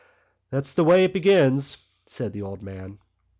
"That's the way it begins," said the old man.